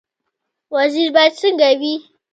وزیر باید څنګه وي؟